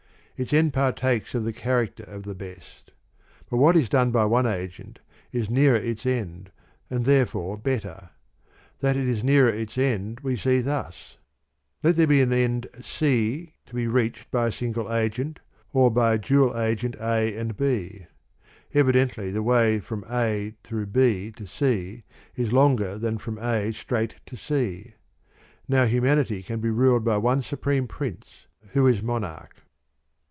Its end partakes ofthe character of the best. But what is done by one agent is nearer its end, and therefore better. That it is nearer its end we see thus : Let there be an end C to be reached by a single agent A, or by a dual agent A and B, Evidently the way from A through B to C is longer than from A straight to C. Now humanity can be ruled by one supreme Prince who is Monarch.